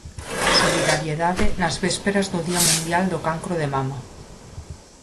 Solidariedade nas vésperas do Día Mundial do Cancro de Mama.